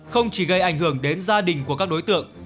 không chỉ gây ảnh hưởng đến gia đình của các đối tượng